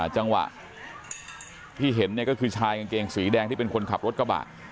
จังหวะที่เห็นก็คือชายกางเกงสีแดงที่เป็นคนขับรถกระบะ